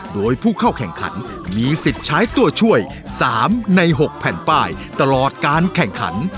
โดยผู้เข้าแข่งขันมีสิทธิ์ใช้ตัวช่วย๓ใน๖แผ่นป้ายตลอดการแข่งขัน